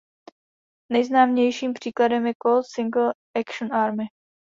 Nejznámějším příkladem je Colt Single Action Army.